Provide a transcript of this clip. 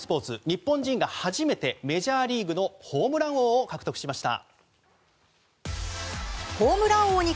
日本人が初めてメジャーリーグのホームラン王を獲得しました。